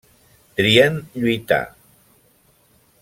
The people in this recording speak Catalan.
Trien lluitar.